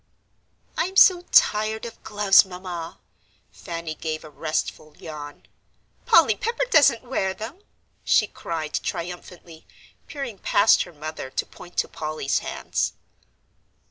"I'm so tired of gloves, Mamma." Fanny gave a restful yawn. "Polly Pepper doesn't wear them," she cried triumphantly, peering past her mother to point to Polly's hands.